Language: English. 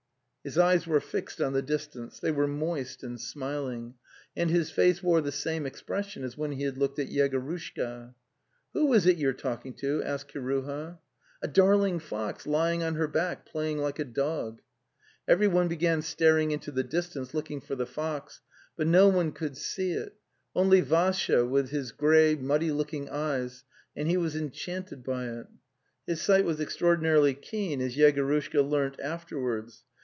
His eyes were fixed on the distance; they were moist and smiling, and his face wore the same ex pression as when he had looked at Yegorushka. 'Who is it you are talking to?' asked Kiruha. *) Avdarling fox, .):.). lying 'on her back, playing like a dog." Everyone began staring into the distance, looking for the fox, but no one could see it, only Vassya with his grey muddy looking eyes, and he was enchanted by it. His sight was extraordinarily keen, as Yego rushka learnt afterwards.